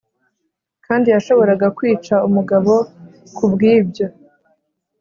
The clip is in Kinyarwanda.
kandi yashoboraga kwica umugabo kubwibyo.